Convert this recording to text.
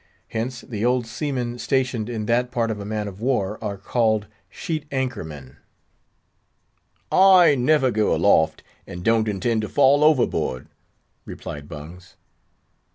Hence, the old seamen stationed in that part of a man of war are called sheet anchor man. "I never go aloft, and don't intend to fall overboard," replied Bungs.